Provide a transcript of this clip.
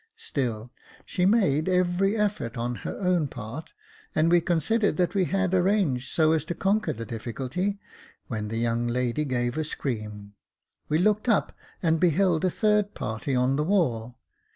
Still she made every effort on her own part, and we considered that we had arranged so as to conquer the difficulty, when the young lady gave a scream. We looked up and beheld a third party on the wall.